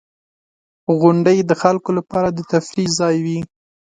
• غونډۍ د خلکو لپاره د تفریح ځای وي.